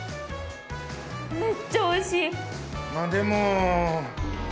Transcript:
めっちゃおいしい。